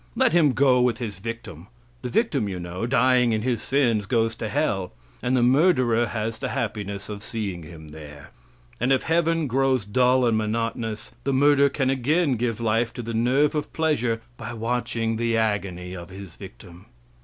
Let him go with his victim. The victim, you know, dying in his sins, goes to hell, and the murderer has the happiness of seeing him there. And if heaven grows dull and monotonous, the murderer can again give life to the nerve of pleasure by watching the agony of his victim.